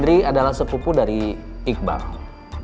dan dia juga sudah mengaku yang dia sudah mencari iqbal di kampus ini